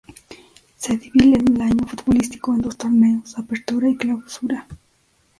Se divide el Año Futbolístico en dos torneos Apertura y Clausura.